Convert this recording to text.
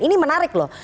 ini menarik loh